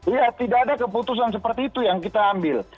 iya tidak ada keputusan seperti itu yang kita ambil